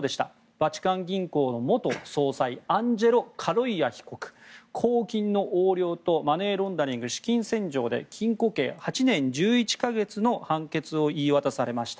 バチカン銀行の元総裁アンジェロ・カロイア被告公金の横領とマネーロンダリング資金洗浄で禁錮８年１１か月の判決を言い渡されました。